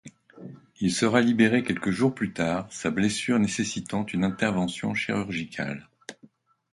Il sera libéré quelques jours plus tard, sa blessure nécessitant une intervention chirurgicale.